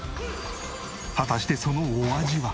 果たしてそのお味は？